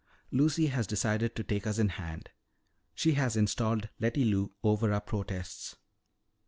"Lucy has decided to take us in hand. She has installed Letty Lou over our protests."